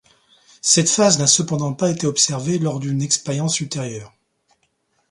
Cette phase n'a cependant pas été observée lors d'une expérience ultérieure.